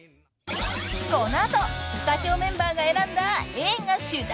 ［この後スタジオメンバーが選んだ映画主題歌］